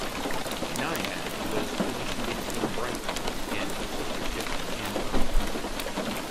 "Naiad" was positioned between "Brighton" and her sister-ship "Andromeda".